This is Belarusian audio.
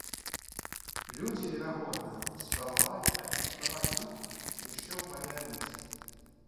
Людзі, верагодна, спрабавалі адлюстраваць рух яшчэ ў палеаліце.